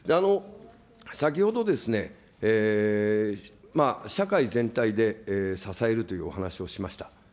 先ほどですね、社会全体で支えるというお話をしました。